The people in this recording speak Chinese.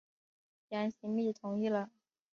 杨行密同意了。